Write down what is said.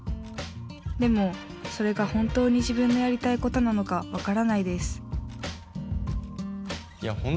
でもそれが本当に自分のやりたいことなのか分からないです」。